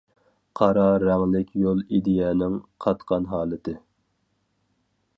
قارا رەڭلىك يول ئىدىيەنىڭ قاتقان ھالىتى.